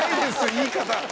言い方。